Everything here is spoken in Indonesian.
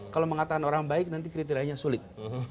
kalau mengatakan orang baik nanti kriterianya sulit